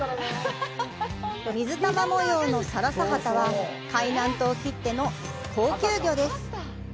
水玉模様の「サラサハタ」は、海南島きっての高級魚です！